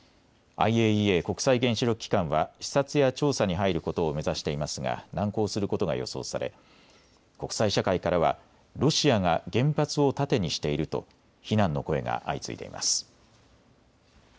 ＩＡＥＡ・国際原子力機関は視察や調査に入ることを目指していますが難航することが予想され国際社会からはロシアが原発を盾にしていると非難の声が相次いでいます。